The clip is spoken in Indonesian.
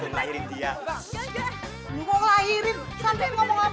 jagetnya cuma satu kan